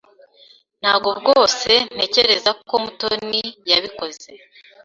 Ntabwo rwose ntekereza ko Mutoni yabikoze.